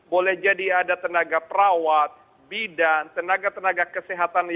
boleh jadi ada tenaga perawat bidan tenaga tenaga kesehatan